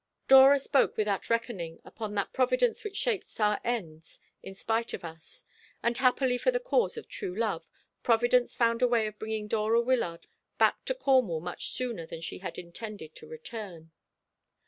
Dora spoke without reckoning upon that Providence which shapes our ends in spite of us; and happily for the cause of true love, Providence found a way of bringing Dora Wyllard back to Cornwall much sooner than she had intended to return.